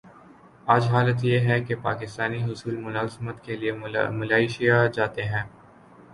آج حالت یہ ہے کہ پاکستانی حصول ملازمت کیلئے ملائشیا جاتے ہیں۔